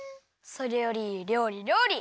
それよりりょうりりょうり！